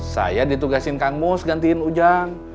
saya ditugasin kang mus gantiin ujang